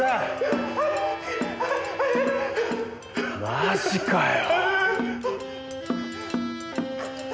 マジかよ。